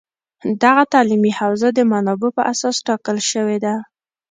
دغه تعلیمي حوزه د منابعو په اساس ټاکل شوې ده